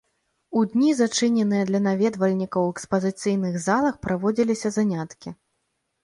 У дні, зачыненыя для наведвальнікаў у экспазіцыйных залах праводзіліся заняткі.